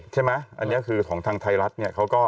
ใช่ไหมอันนี้คือของทางไทยรัฐเนี่ยเขาก็